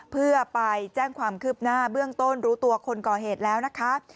เพื่อไปแจ้งความคืบหน้าเบื้องต้นรู้ตัวคนก่อเหตุแล้วนะคะ